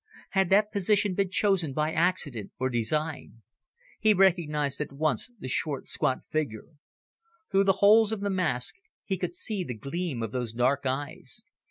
Had that position been chosen by accident or design? He recognised at once the short, squat figure. Through the holes of the mask, he could see the gleam of those dark eyes.